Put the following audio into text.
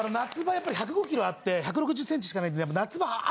やっぱり１０５ｋｇあって１６０ｃｍしかないんで夏場汗